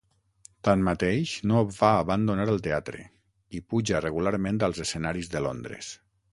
Tanmateix no va abandonar el teatre i puja regularment als escenaris de Londres.